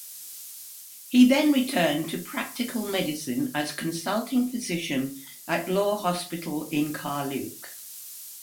He then returned to practical medicine as Consulting Physician at Law Hospital in Carluke.